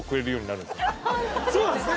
そうなんですね！